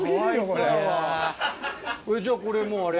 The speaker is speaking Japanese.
じゃあこれもうあれ？